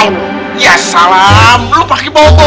mesmaupak cut up